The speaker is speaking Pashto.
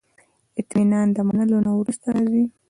اطمینان د منلو نه وروسته راځي.